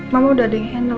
mama udah ada yang handle